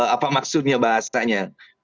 apa maksudnya bahasanya